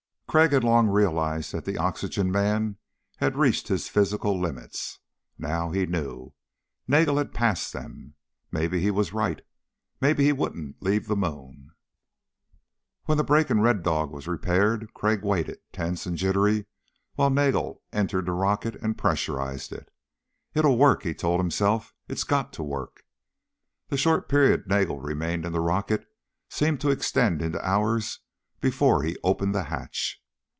Crag had long realized that the oxygen man had reached his physical limits. Now, he knew, Nagel had passed them. Maybe he was right ... maybe he wouldn't leave the moon. When the break in Red Dog was repaired, Crag waited, tense and jittery, while Nagel entered the rocket and pressurized it. It'll work, he told himself. It's got to work. The short period Nagel remained in the rocket seemed to extend into hours before he opened the hatch.